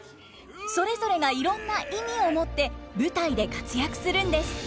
それぞれがいろんな意味を持って舞台で活躍するんです。